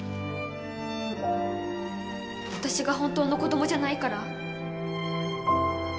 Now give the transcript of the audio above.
私が本当の子供じゃないから？